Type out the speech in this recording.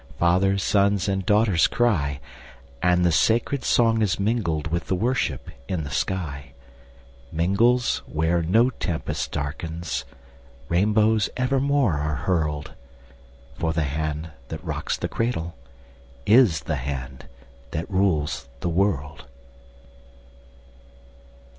Fathers, sons, and daughters cry, And the sacred song is mingled With the worship in the sky Mingles where no tempest darkens, Rainbows evermore are hurled; For the hand that rocks the cradle Is the hand that rules the world.